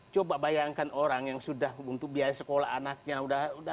coba bayangkan orang yang sudah untuk biaya sekolah anaknya